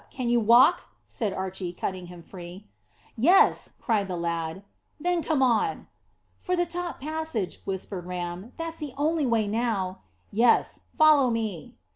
Can you walk?" said Archy, cutting him free. "Yes," cried the lad. "Then come on!" "For the top passage," whispered Ram. "That's the only way now." "Yes. Follow me."